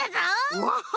うわっは！